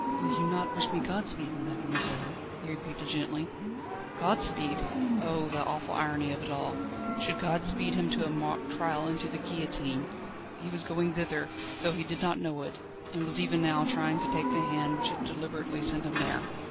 "Will you not wish me godspeed, mademoiselle?" he repeated gently. "Godspeed?" Oh! the awful irony of it all! Should God speed him to a mock trial and to the guillotine? He was going thither, though he did not know it, and was even now trying to take the hand which had deliberately sent him there.